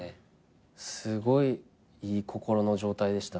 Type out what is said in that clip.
すごいいい心の状態でした。